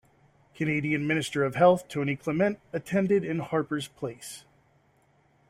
Canadian Minister of Health Tony Clement attended in Harper's place.